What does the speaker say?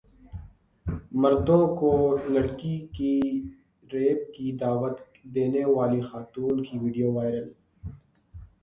مردوں کو لڑکی کے ریپ کی دعوت دینے والی خاتون کی ویڈیو وائرل